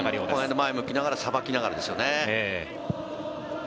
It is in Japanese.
前を向きながら、さばきながらですね。